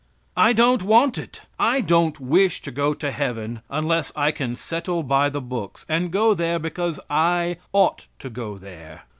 I don't want it! I don't wish to go to heaven unless I can settle by the books, and go there because I ought to go there.